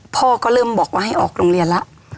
พ่อก็เริ่มบอกว่าให้ออกโรงเรียนแล้ว